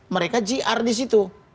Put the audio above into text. mereka gr disitu